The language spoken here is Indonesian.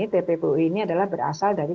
tppu ini adalah berasal dari